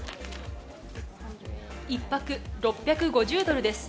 １泊６５０ドルです。